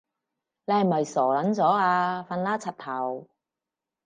你係咪傻撚咗啊？瞓啦柒頭